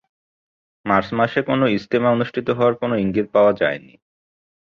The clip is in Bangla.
মার্চ মাসে কোনও "ইজতেমা" অনুষ্ঠিত হওয়ার কোনও ইঙ্গিত পাওয়া যায়নি।